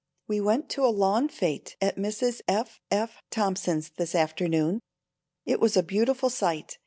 We went to a lawn fete at Mrs. F. F. Thompson's this afternoon. It was a beautiful sight.